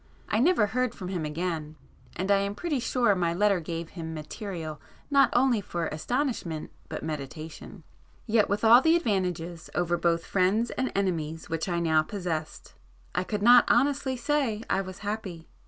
I never heard from him again, and I am pretty sure my letter gave him material not only for astonishment but meditation. Yet with all the advantages over both friends and enemies which I now possessed I could not honestly say I was happy.